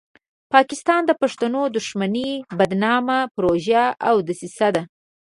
پاکستان د پښتون دښمنۍ بدنامه پروژه او دسیسه ده.